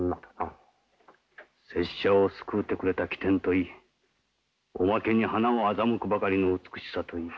拙者を救うてくれた機転といいおまけに花も欺くばかりの美しさといい。